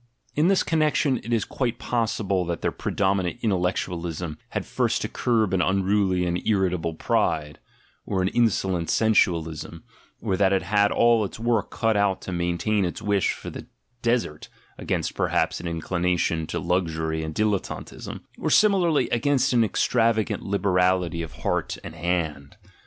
In this connection it is quite pos sible that their predominant intellectualism had first to curb an unruly and irritable pride, or an insolent sensual ism, or that it had all its work cut out to maintain its wish for the "desert" against perhaps an inclination to luxury and dilettantism, or similarly against an extrava gant liberality of heart and hand.